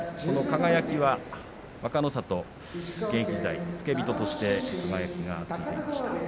輝は若の里現役時代に付け人としてついていました。